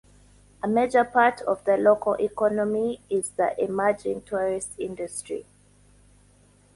A major part of the local economy is the emerging tourist industry.